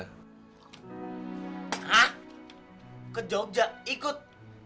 hah ke jogja ikut